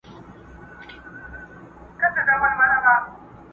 هره لوېشت مي د نيکه او بابا ګور دی.!